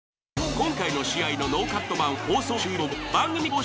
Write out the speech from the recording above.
今回の試合のノーカット版は放送終了後番組公式